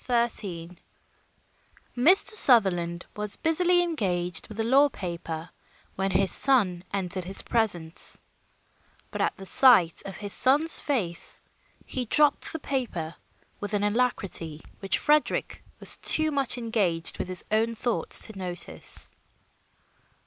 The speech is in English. XIII WATTLES GOES Mr. Sutherland was busily engaged with a law paper when his son entered his presence, but at sight of that son's face, he dropped the paper with an alacrity which Frederick was too much engaged with his own thoughts to notice.